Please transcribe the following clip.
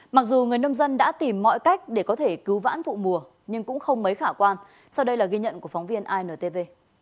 mặc dù người nông dân đã tìm mọi cách để có thể cứu vãn vụ mùa nhưng cũng không mấy khả quan sau đây là ghi nhận của phóng viên intv